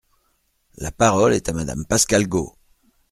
La parole est à Madame Pascale Got.